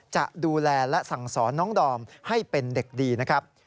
จะดูแลและสั่งสอนน้องดอมให้เป็นเด็กดีนะครับ